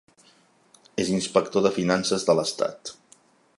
És Inspector de Finances de l'Estat.